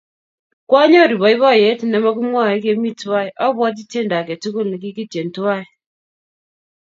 Kwaanyoru poipoiyet ne mokimwoey kemi twai. Abwoti tyendo ake tukul ne kikityen twai.